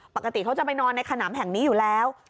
ปกติเขาจะไปนอนในขนำแห่งนี้อยู่แล้ว